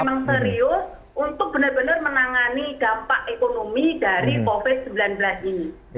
memang serius untuk benar benar menangani dampak ekonomi dari covid sembilan belas ini